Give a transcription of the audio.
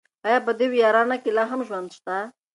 ایا په دې ویرانه کې لا هم ژوند شته؟